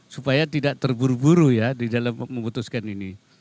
supaya tidak terburu buru ya di dalam memutuskan ini